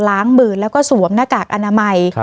ล้างมือแล้วก็สวมหน้ากากอนามัย